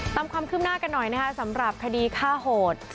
ตามความขึ้มหน้ากันหน่อยสำหรับคดีฆ่าโหด